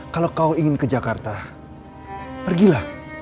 kalau kau ingin ke jakarta pergilah